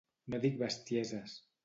No dic bestieses.